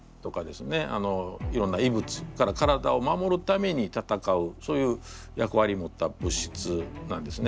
いろんな異物から体を守るために戦うそういう役割持った物質なんですね。